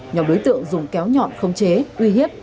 nhóm đối tượng dùng kéo nhọn không chế uy hiếp